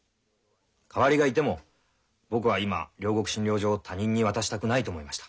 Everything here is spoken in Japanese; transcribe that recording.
代わりがいても僕は今両国診療所を他人に渡したくないと思いました。